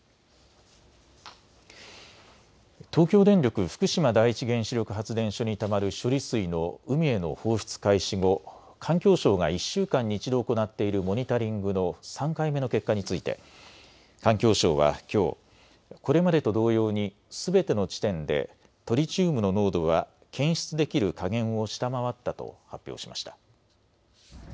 東京電力福島第一原子力発電所にたまる処理水の海への放出開始後、環境省が１週間に１度行っているモニタリングの３回目の結果について環境省はきょうこれまでと同様にすべての地点でトリチウムの濃度は検出できる下限を下回ったと発表しました。